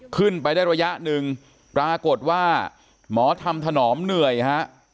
ขึ้นไปได้ระยะหนึ่งปรากฏว่าหมอทำถนอมเหนื่อยฮะ